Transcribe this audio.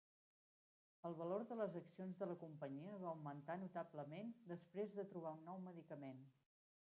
El valor de les accions de la companyia va augmentar notablement després de trobar un nou medicament.